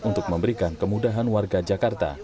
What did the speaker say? untuk memberikan kemudahan warga jakarta